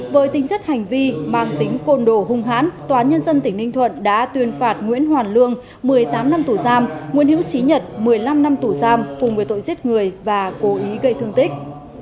với tính chất hành vi mang tính côn đồ hung hãn tòa nhân dân tỉnh ninh thuận đã tuyên phạt nguyễn hoàn lương một mươi tám năm tù giam nguyễn hữu trí nhật một mươi năm năm tù giam cùng với tội giết người và cố ý gây thương tích